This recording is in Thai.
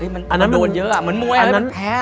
มันโดนเยอะอ่ะเหมือนมวยงั้นมันแพ้อ่ะ